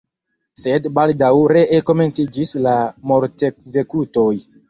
Sed baldaŭ ree komenciĝis la mortekzekutoj.